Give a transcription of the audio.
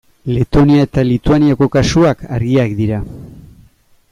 Letonia eta Lituaniako kasuak argiak dira.